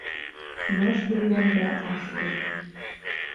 Баш биргәнгә аш бирер.